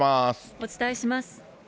お伝えします。